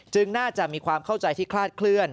น่าจะมีความเข้าใจที่คลาดเคลื่อน